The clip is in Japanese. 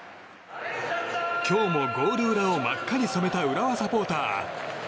今日もゴール裏を真っ赤に染めた浦和サポーター。